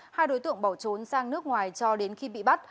hai đối tượng bỏ trốn sang nước ngoài cho đến khi bị bắt